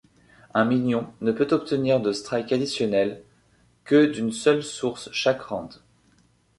Un minion ne peut obtenir de strikes additionnels que d'une seule source chaque round.